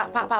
pak pak pak